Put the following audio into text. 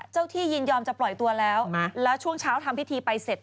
ที่ยินยอมจะปล่อยตัวแล้วแล้วช่วงเช้าทำพิธีไปเสร็จ